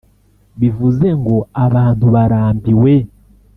” bivuze ngo “abantu barambiwe